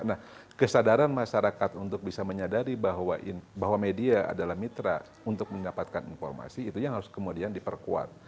nah kesadaran masyarakat untuk bisa menyadari bahwa media adalah mitra untuk mendapatkan informasi itu yang harus kemudian diperkuat